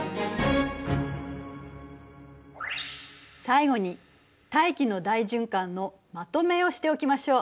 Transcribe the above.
最後に大気の大循環のまとめをしておきましょう。